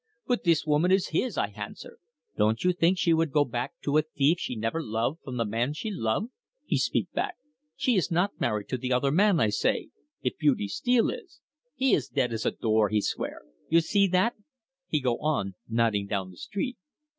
"'But the woman is his,' I hanswer. 'Do you think she would go back to a thief she never love from the man she love?' he speak back. 'She is not marry to the other man,' I say, 'if Beauty Steele is...' 'He is dead as a door,' he swear. 'You see that?' he go on, nodding down the street.